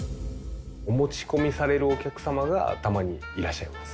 お持ち込みされるお客様がたまにいらっしゃいます。